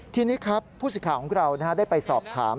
ทีนี้ครับผู้สิทธิ์ข่าวของเราได้ไปสอบถาม